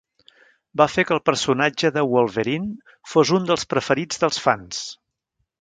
Va fer que el personatge de Wolverine fos un dels preferits dels fans.